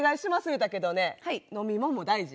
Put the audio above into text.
言うたけどね飲み物も大事よ。